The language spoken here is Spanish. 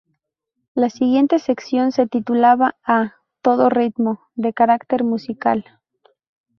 La siguiente sección se titulaba "A todo ritmo", de carácter musical.